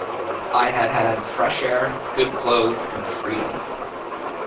I had had fresh air, good clothes, and freedom.